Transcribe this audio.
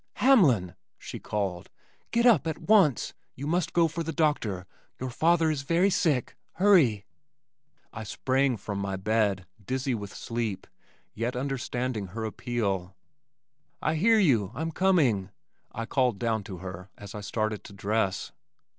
"Hamlin," she called, "get up at once. You must go for the doctor. Your father is very sick. Hurry!" I sprang from my bed, dizzy with sleep, yet understanding her appeal. "I hear you, I'm coming," I called down to her as I started to dress.